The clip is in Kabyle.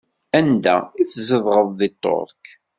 Anda i tzedɣeḍ deg Ṭṭerk?